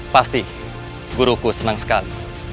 pasti guruku senang sekali